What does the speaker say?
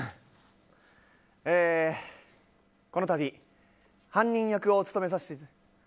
この度、犯人役を務めさせて。